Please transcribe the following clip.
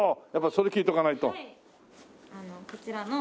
やっぱりそれ聞いておかないと。